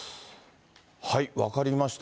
分かりました。